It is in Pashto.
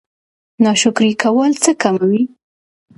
ناشکري کول څه کموي؟